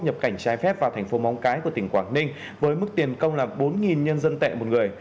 nhập cảnh trái phép vào thành phố móng cái của tỉnh quảng ninh với mức tiền công là bốn nhân dân tệ một người